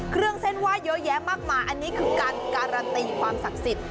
เครื่องเส้นไหว้เยอะแยะมากมายอันนี้คือการการันตีความศักดิ์สิทธิ